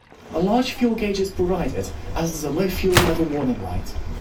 A large fuel gauge is provided as is a low fuel level warning light.